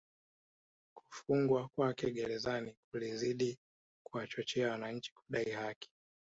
Kufungwa kwake Gerezani kulizidi kuwachochea wananchi kudai haki